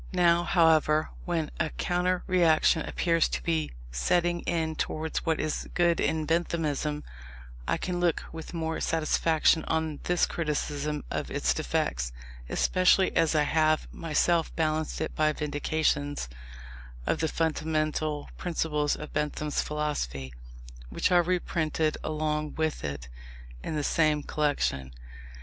Now, however, when a counter reaction appears to be setting in towards what is good in Benthamism, I can look with more satisfaction on this criticism of its defects, especially as I have myself balanced it by vindications of the fundamental principles of Bentham's philosophy, which are reprinted along with it in the same collection.